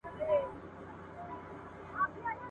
افغاني لښکر ماته خوړله.